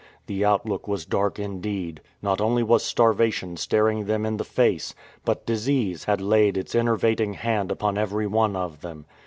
The outlook was dark indeed. Not only was starvation staring them in the face, but disease had laid its enervating hand upon every one of them.